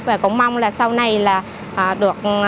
và cũng mong là sau này là được